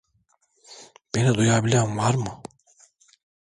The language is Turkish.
Beni duyabilen var mı?